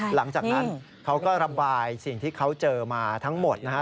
หลังจากนั้นเขาก็ระบายสิ่งที่เขาเจอมาทั้งหมดนะฮะ